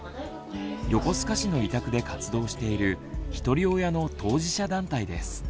横須賀市の委託で活動しているひとり親の当事者団体です。